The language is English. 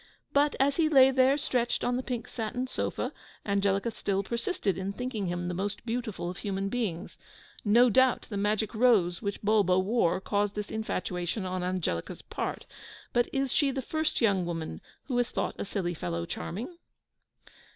But as he lay there stretched on the pink satin sofa, Angelica still persisted in thinking him the most beautiful of human beings. No doubt the magic rose which Bulbo wore caused this infatuation on Angelica's part; but is she the first young woman who has thought a silly fellow charming?